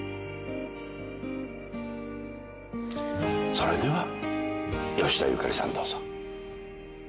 それでは吉田ゆかりさんどうぞ。